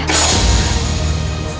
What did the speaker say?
semuanya sudah jelas